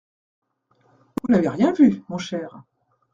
Vous n'avez rien vu, mon cher.